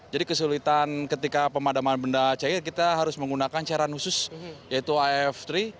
jadi kesulitan ketika pemadaman benda cair kita harus menggunakan cairan khusus yaitu af tiga